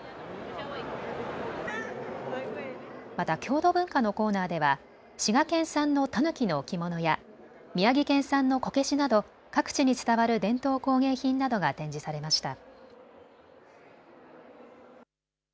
また郷土文化のコーナーでは滋賀県産のたぬきの置物や宮城県産のこけしなど各地に伝わる伝統工芸品などが展示されました。